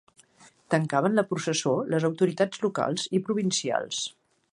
Tancaven la processó les autoritats locals i provincials.